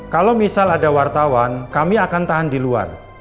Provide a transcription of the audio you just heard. kalau misal ada wartawan kami akan tahan di luar